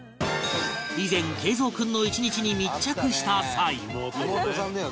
以前桂三君の１日に密着した際